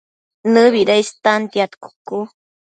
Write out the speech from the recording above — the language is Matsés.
¿Nëbida istantiad cucu?